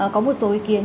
có một số ý kiến